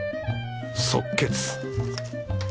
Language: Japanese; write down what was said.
即決！